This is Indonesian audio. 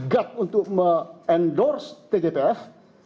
gut untuk me endorse tgpf